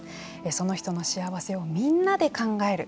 その人の幸せをみんなで考える。